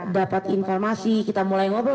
dapat informasi kita mulai ngobrol